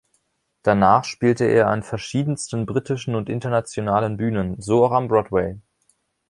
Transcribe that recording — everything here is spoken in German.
Danach spielte er an verschiedensten britischen und internationalen Bühnen, so auch am Broadway.